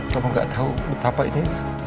kamu gak tahu betapa ini